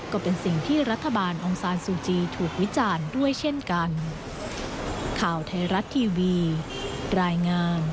ก็เป็นสิ่งที่รัฐบาลองซานซูจีถูกวิจารณ์ด้วยเช่นกัน